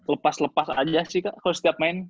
lepas lepas aja sih kak kalau setiap main